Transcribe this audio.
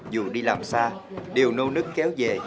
dù đi làm xa đều nâu nứt kéo về